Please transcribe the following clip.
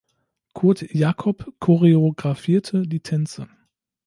Kurt Jacob choreografierte die Tänze.